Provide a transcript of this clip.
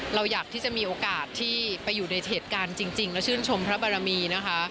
เราอยากที่จะมีโอกาสที่ไปอยู่ในเหตุการณ์จริงและชื่นชมพระบารมีนะคะ